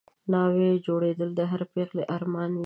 ناوې جوړېدل د هرې پېغلې ارمان وي